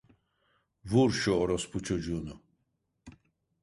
Vur şu orospu çocuğunu!